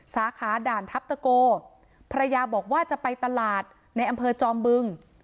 สาขาด่านทัพตะโกภรรยาบอกว่าจะไปตลาดในอำเภอจอมบึง